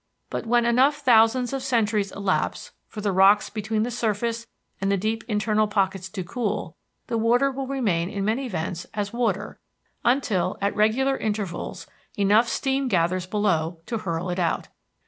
But when enough thousands of centuries elapse for the rocks between the surface and the deep internal pockets to cool, the water will remain in many vents as water until, at regular intervals, enough steam gathers below to hurl it out.